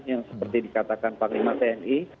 yang seperti dikatakan pak limah tni